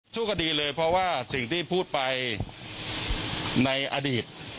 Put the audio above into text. ทุกคดีเลยเพราะว่าสิ่งที่พูดไปในอดีต